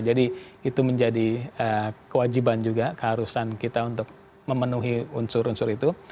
jadi itu menjadi kewajiban juga keharusan kita untuk memenuhi unsur unsur itu